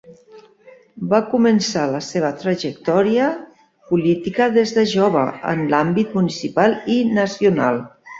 Va començar la seva trajectòria política des de jove, en l'àmbit municipal i nacional.